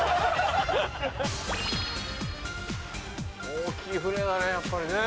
大きい船だねやっぱりね。